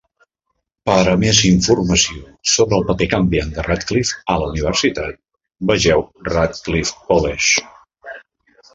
Per a més informació sobre el paper canviant de Radcliffe a la universitat, vegeu Radcliffe College.